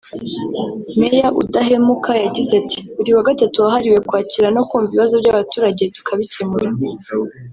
Meya Udahemuka yagize ati “Buri wa gatatu wahariwe kwakira no kumva ibibazo by’abaturage tukabikemura